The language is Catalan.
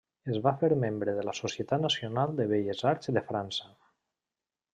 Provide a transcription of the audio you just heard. Es va fer membre de Societat Nacional de Belles Arts de França.